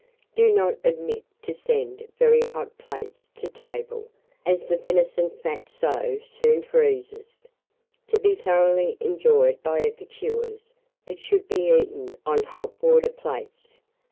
Do not omit to send very hot plates to table, as the venison fat so soon freezes: to be thoroughly enjoyed by epicures, it should be eaten on hot water plates.